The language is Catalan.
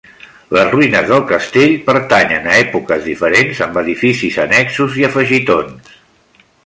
Les ruïnes del castell pertanyen a èpoques diferents, amb edificis annexos i afegitons.